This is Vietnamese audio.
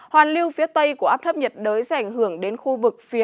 hoàn lưu phía tây của áp thấp nhiệt đới sẽ ảnh hưởng đến khu vực phía